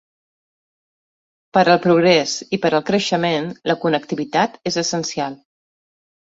Per al progrés i per al creixement la connectivitat és essencial.